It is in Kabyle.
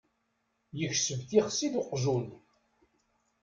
Yekseb tixsi d uqjun.